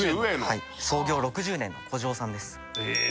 はい創業６０年の古城さんですえー